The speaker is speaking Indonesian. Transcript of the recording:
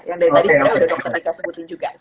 yang dari tadi sebenarnya dokter dika udah sebutin juga